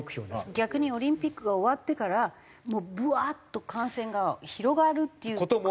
逆にオリンピックが終わってからもうブワーッと感染が広がるっていう。